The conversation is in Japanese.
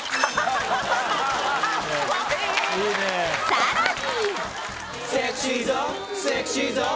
さらに！